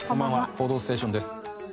『報道ステーション』です。